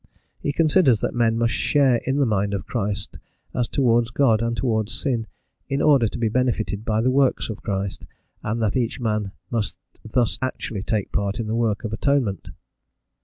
He considers that men must share in the mind of Christ as towards God and towards sin, in order to be benefited by the work of Christ, and that each man must thus actually take part in the work of atonement.